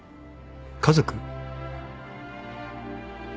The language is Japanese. ［家族］